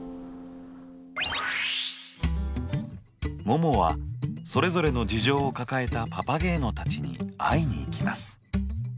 ももはそれぞれの事情を抱えたパパゲーノたちに会いに行きます。